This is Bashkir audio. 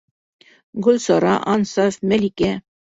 Гөлсара, Ансаф, Мәликә.